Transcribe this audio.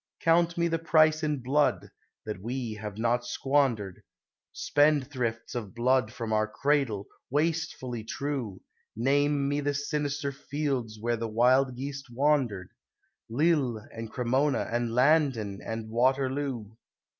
Count me the price in blood that we have not squandered, Spendthrifts of blood from our cradle, wastefully true, Name me the sinister fields where the Wild Geese wandered, Lille and Cremona and Landen and Waterloo.